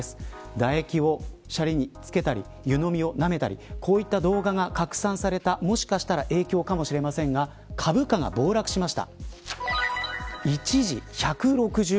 唾液をしゃりに付けたり湯のみをなめたりこういった動画が拡散されたもしかしたら影響かもしれませんが株価が暴落しました。